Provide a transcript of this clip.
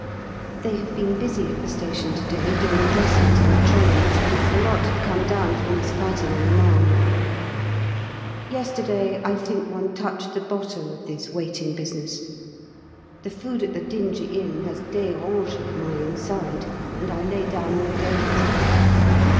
They have been busy at the station to day doing dressings on the trains. A lot have come down from this fighting on the Marne. Yesterday I think one touched the bottom of this waiting business. The food at the dingy inn has dérangé my inside, and I lay down all day yesterday.